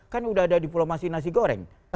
kan udah ada diplomasi nasi goreng